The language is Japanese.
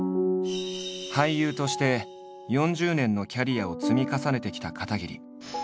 俳優として４０年のキャリアを積み重ねてきた片桐。